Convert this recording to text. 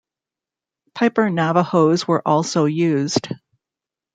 Piper Navajos were also used.